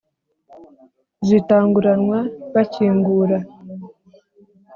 Zitanguranwa bakingura.